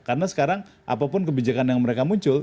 karena sekarang apapun kebijakan yang mereka muncul